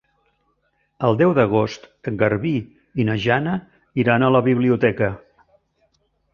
El deu d'agost en Garbí i na Jana iran a la biblioteca.